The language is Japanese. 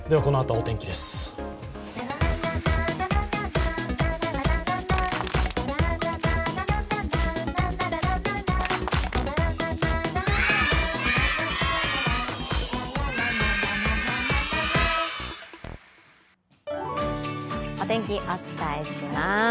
お天気、お伝えします。